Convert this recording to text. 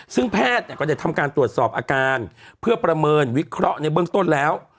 ซึ่งแพทย์ก็ได้ทำการตรวจสอบอาการเพื่อประเมินวิเคราะห์ในเบื้องต้นแล้ว